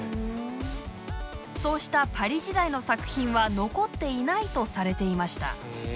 そうしたパリ時代の作品は残っていないとされていました。